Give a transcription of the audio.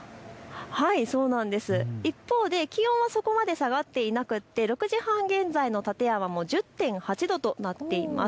一方で気温はそこまで下がっていなくて６時半現在の館山も１０．８度となっています。